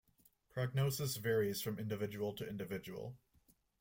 Prognosis varies from individual to individual.